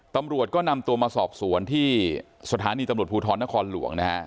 ตำรวจก็นำตัวมาสอบสวนที่สถานีตำรวจภูทรนครหลวงนะฮะ